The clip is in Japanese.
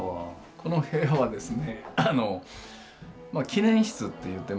この部屋はですね